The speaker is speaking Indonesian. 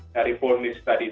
dari polnis tadi